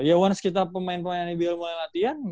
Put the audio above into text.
ya once kita pemain pemain ibl mulai latihan